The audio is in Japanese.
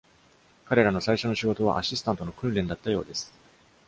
彼らの最初の仕事はアシスタントの訓練だったようです。